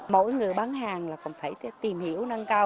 mỗi người bán hàng là cũng phải tìm hiểu nâng cao